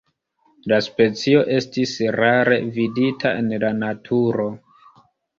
La specio estis rare vidita en la naturo.